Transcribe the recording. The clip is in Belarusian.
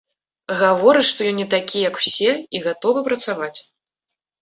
Гаворыць, што ён не такі, як усе і гатовы працаваць.